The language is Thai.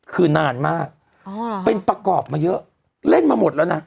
คือนานมากเป็นประกอบมาเยอะเล่นมาหมดแล้วนะ